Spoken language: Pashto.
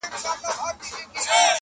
پر مخ لاسونه په دوعا مات کړي,